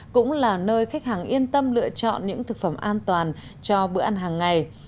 cũng là nơi khách hàng yên tâm lựa chọn những thực phẩm an toàn cho bữa ăn hàng ngày